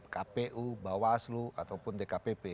kpu bawaslu ataupun dkpp